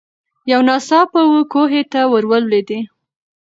یو ناڅاپه وو کوهي ته ور لوېدلې